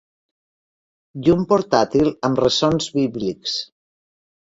Llum portàtil amb ressons bíblics.